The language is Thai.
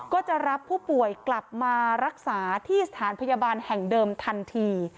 ก็จะรับผู้ป่วยกลับมารักษาที่สถานพยาบาลแห่งเดิมทันที